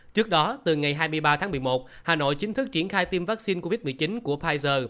trước đó từ ngày hai mươi ba tháng một mươi một hà nội chính thức triển khai tiêm vaccine covid một mươi chín của pfizer